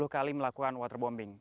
dua puluh kali melakukan waterbombing